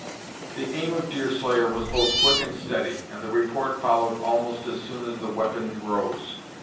The aim of Deerslayer was both quick and steady, and the report followed almost as soon as the weapon rose.